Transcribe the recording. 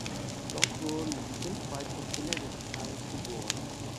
Dort wurden fünf weitere Kinder des Paares geboren.